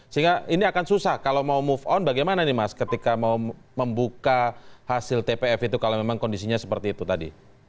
sehingga ini akan susah kalau mau move on bagaimana nih mas ketika mau membuka hasil tpf itu kalau memang kondisinya seperti itu tadi